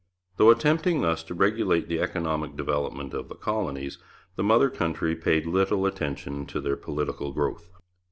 Though attempting thus to regulate the economic development of the colonies, the mother country paid little attention to their political growth.